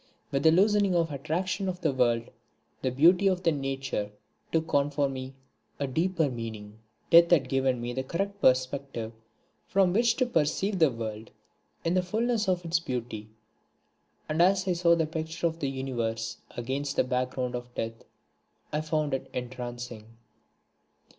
With the loosening of the attraction of the world, the beauty of nature took on for me a deeper meaning. Death had given me the correct perspective from which to perceive the world in the fulness of its beauty, and as I saw the picture of the Universe against the background of Death I found it entrancing.